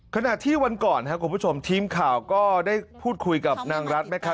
ขณะที่วันก่อนครับคุณผู้ชมทีมข่าวก็ได้พูดคุยกับนางรัฐไหมคะ